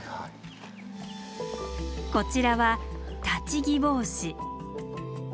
こちらはタチギボウシ。